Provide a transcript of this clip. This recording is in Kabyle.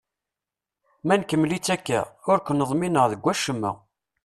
Ma nkemmel-itt akka, ur ken-ḍmineɣ deg wacemma.